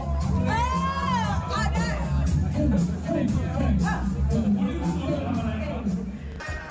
เห็นป่ะความหน้าของพี่ตูนชอบมาก